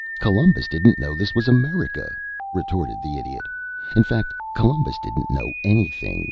"Columbus didn't know this was America," retorted the Idiot. "In fact, Columbus didn't know anything.